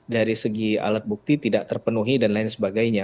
dari segi alat bukti tidak terpenuhi dan lain sebagainya